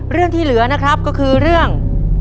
เรื่องที่เหลือนะครับก็คือเรื่อง